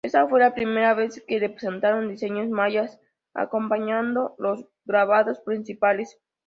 Esta fue la primera vez que se presentaron diseños mayas acompañando los grabados principales.